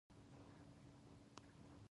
リズムにのります。